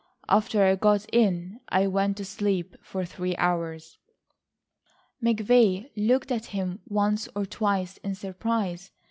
"After I got in I went to sleep for three hours." McVay looked at him once or twice, in surprise.